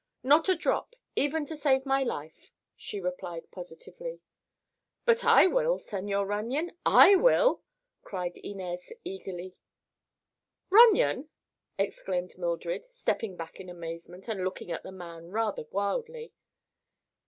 "Not a drop, even to save my life," she replied positively. "But I will, Señor Runyon—I will!" cried Inez eagerly. "Runyon!" exclaimed Mildred, stepping back in amazement and looking at the man rather wildly.